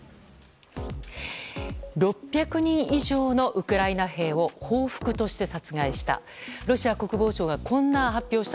６００人以上のウクライナ兵を報復として殺害した。